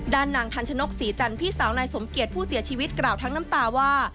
นางทันชนกศรีจันทร์พี่สาวนายสมเกียจผู้เสียชีวิตกล่าวทั้งน้ำตาว่า